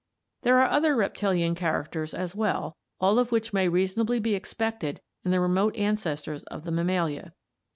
There are other reptilian characters as well, all of which may reasonably be expected in the remote ancestors of the Mammalia.